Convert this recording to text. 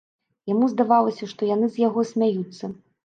Яму здавалася, што яны з яго смяюцца.